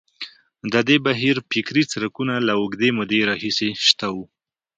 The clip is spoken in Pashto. د دې بهیر فکري څرکونه اوږدې مودې راهیسې شته وو.